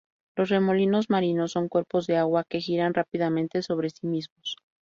Los remolinos marinos son cuerpos de agua que giran rápidamente sobre sí mismos.